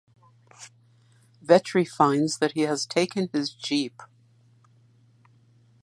Vetri finds that he has taken his jeep.